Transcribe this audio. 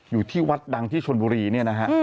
อยู่ที่วัดดังที่ชนบุรีเนี่ยนะฮะ